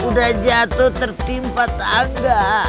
udah jatuh tertimpa tangga